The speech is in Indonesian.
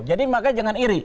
jadi makanya jangan iri